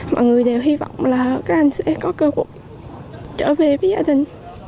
mọi người đều hy vọng là các anh sẽ có cơ hội trở về với gia đình